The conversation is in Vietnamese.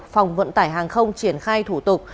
phòng vận tải hàng không triển khai thủ tục